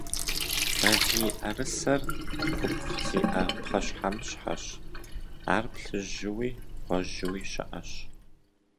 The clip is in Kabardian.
Балийӏэрысэр купкъ зиӏэ пхъэщхьэмыщхьэщ, ар плъыжьууи гъуэжьууи щыӏэщ.